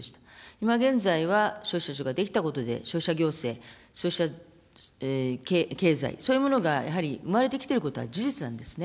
今現在は、消費者庁が出来たことで、消費者行政、消費者経済、そういうものがやはり生まれてきていることは事実なんですね。